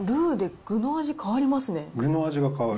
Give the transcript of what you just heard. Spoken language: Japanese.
具の味が変わる。